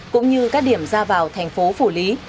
cũng như các điểm ra vào thành phố phủ lý